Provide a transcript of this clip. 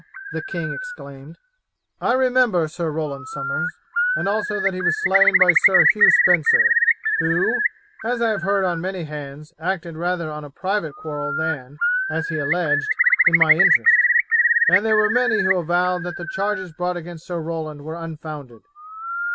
the king exclaimed. "I remember Sir Roland Somers, and also that he was slain by Sir Hugh Spencer, who, as I heard on many hands, acted rather on a private quarrel than, as he alleged, in my interest, and there were many who avowed that the charges brought against Sir Roland were unfounded.